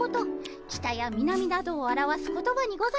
北や南などを表す言葉にございます。